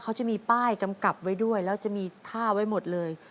เขาจะมีป้ายกำกับไว้ด้วยแล้วจะมีท่าไว้หมดเลย